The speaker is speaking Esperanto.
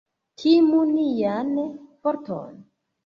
Timu nian forton!